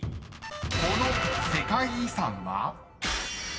［この世界遺産は？］